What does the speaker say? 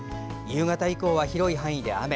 夕方以降は広い範囲で雨。